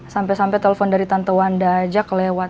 sampai sampai telepon dari tante wanda aja kelewat